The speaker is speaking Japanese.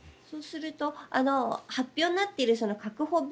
そうすると発表になっている確保